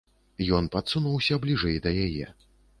Ён падсунуўся бліжэй да яе.